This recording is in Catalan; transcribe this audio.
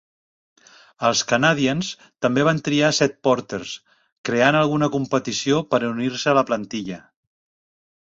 Els Canadiens també van triar set porters creant alguna competició per unir-se a la plantilla.